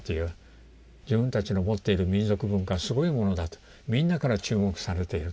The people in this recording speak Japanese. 自分たちの持っている民族文化はすごいものだとみんなから注目されている。